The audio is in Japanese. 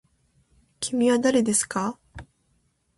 きみはだれですか。